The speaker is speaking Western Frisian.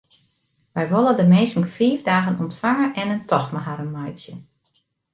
Wy wolle de minsken fiif dagen ûntfange en in tocht mei harren meitsje.